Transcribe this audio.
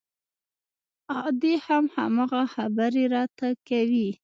ادې هم هماغه خبرې راته کوي.